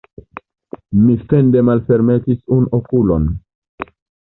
Mi fende malfermetis unu okulon.